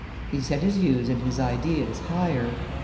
He set his views and his ideas higher.